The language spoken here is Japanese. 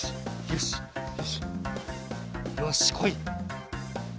よしこい！